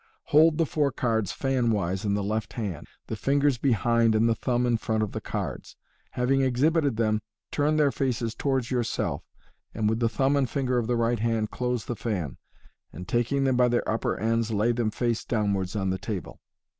Hold the four cards fanwise in the left hand, the ringers behind and the thumb in front of the cards. Having exhibited them, turn their faces towards yourself, and with the thumb and finger of the right hand close the fan, and taking them by their upper ends lay them face downwards on the table.